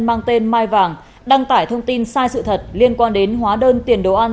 mang tên mai vàng đăng tải thông tin sai sự thật liên quan đến hóa đơn tiền đồ ăn